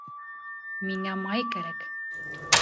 Миңә май кәрәк